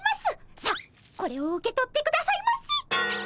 さあこれを受け取ってくださいませ。